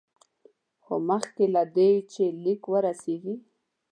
خو مخکې له دې چې لیک ورسیږي.